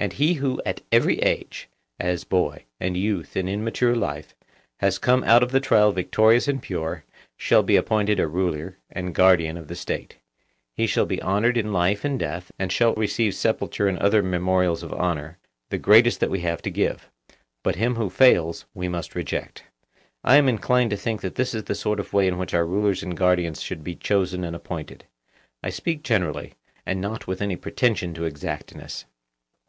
And he who at every age, as boy and youth and in mature life, has come out of the trial victorious and pure, shall be appointed a ruler and guardian of the State; he shall be honoured in life and death, and shall receive sepulture and other memorials of honour, the greatest that we have to give. But him who fails, we must reject. I am inclined to think that this is the sort of way in which our rulers and guardians should be chosen and appointed. I speak generally, and not with any pretension to exactness.